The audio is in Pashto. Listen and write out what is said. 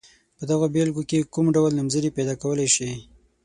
په دغو بېلګو کې کوم ډول نومځري پیداکولای شئ.